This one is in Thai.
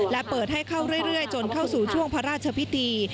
และเปิดให้เข้าเรื่อยจนเข้าสู่ช่วงพระราชพิธี